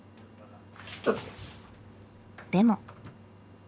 でも。